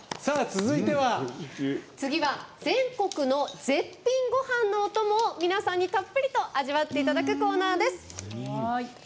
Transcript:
次は全国の絶品ごはんのお供を皆さんにたっぷりと味わっていただくコーナーです。